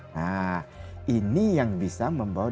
nah ini yang bisa membawa